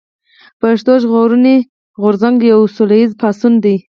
پښتون ژغورني غورځنګ يو سوله ايز پاڅون دي